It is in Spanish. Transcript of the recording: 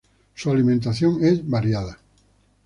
Su alimentación es variada.